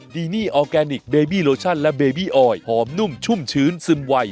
ดีนี่ออร์แกนิคเบบี้โลชั่นและเบบี้ออยหอมนุ่มชุ่มชื้นซึมไว